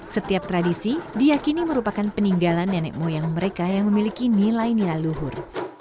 setiap tradisi diakini merupakan peninggalan nenek moyang mereka yang memiliki nilai nilai luhur